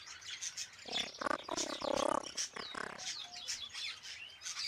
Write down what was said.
Μα πρέπει να του μιλήσεις, Πατέρα.